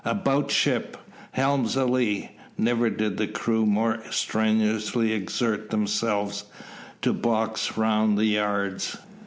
"About ship," "helm's a lee." Never did the crew more strenuously exert themselves to box round the yards.